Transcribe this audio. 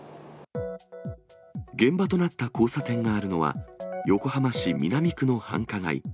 現場となった交差点があるのは、横浜市南区の繁華街。